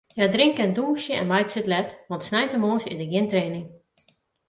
Hja drinke en dûnsje en meitsje it let, want sneintemoarns is der gjin training.